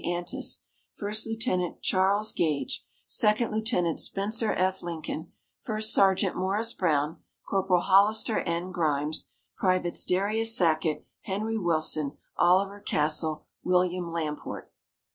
Antes, First Lieutenant Charles Gage, Second Lieutenant Spencer F. Lincoln, First Sergeant Morris Brown, Corporal Hollister N. Grimes, Privates Darius Sackett, Henry Willson, Oliver Castle, William Lamport.